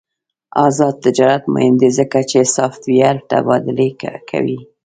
آزاد تجارت مهم دی ځکه چې سافټویر تبادله کوي.